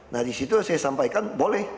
nah disitu saya sampaikan boleh